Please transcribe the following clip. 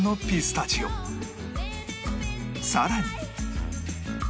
さらに